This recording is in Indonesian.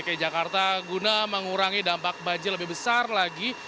dki jakarta guna mengurangi dampak banjir lebih besar lagi